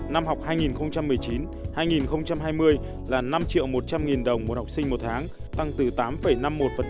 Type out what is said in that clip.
năm học hai nghìn một mươi chín hai nghìn hai mươi là năm một trăm linh đồng một học sinh một tháng tăng từ tám năm mươi một đến một mươi hai mươi sáu